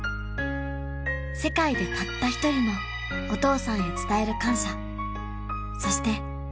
世界でたった一人のお父さんへ伝える感謝